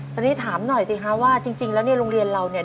ตอนนี้ถามหน่อยสิคะว่าจริงแล้วเนี่ยโรงเรียนเราเนี่ย